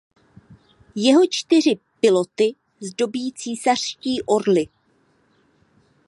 Jeho čtyři piloty zdobí císařští orli.